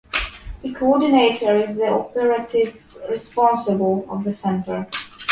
The “coordinator” is the operative responsible of the Center.